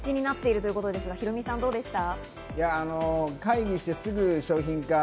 社員の好きが形になっているということですがヒロミさん、どうでした？